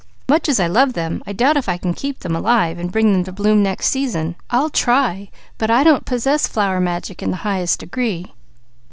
Much as I love them, I doubt if I can keep them alive, and bring them to bloom next season. I'll try, but I don't possess flower magic in the highest degree."